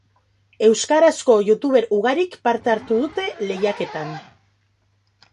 Euskarazko youtuber ugarik parte hartu dute lehiaketan.